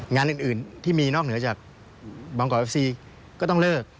งานอื่นที่มีนอกเหนือจากบางกอกเอฟซีก็ต้องเลิก